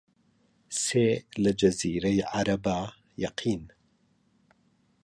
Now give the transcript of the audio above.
سێ لە جەزیرەی عەرەبا یەقین